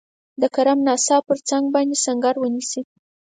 د کرم ناسا پر څنګ باندي سنګر ونیسي.